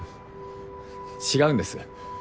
違うんです。